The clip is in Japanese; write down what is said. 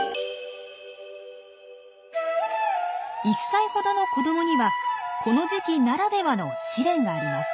１歳ほどの子どもにはこの時期ならではの試練があります。